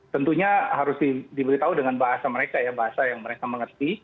tentunya harus diberitahu dengan bahasa mereka ya bahasa yang mereka mengerti